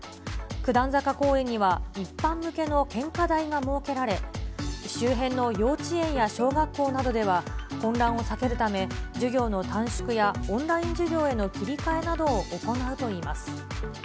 九段坂公園には一般向けの献花台が設けられ、周辺の幼稚園や小学校などでは、混乱を避けるため、授業の短縮やオンライン授業への切り替えなどを行うといいます。